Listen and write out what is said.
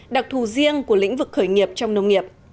đặc thù riêng của lĩnh vực khởi nghiệp trong nông nghiệp